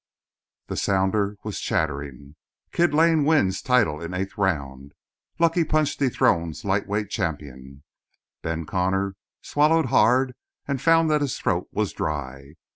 The sounder was chattering: "Kid Lane wins title in eighth round. Lucky punch dethrones lightweight champion." Ben Connor swallowed hard and found that his throat was dry.